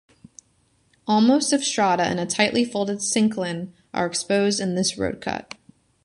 Almost of strata in a tightly folded syncline are exposed in this road cut.